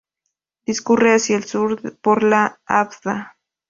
Discurre hacia el sur por la Avda.